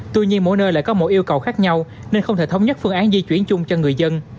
tuy nhiên mỗi nơi lại có một yêu cầu khác nhau nên không thể thống nhất phương án di chuyển chung cho người dân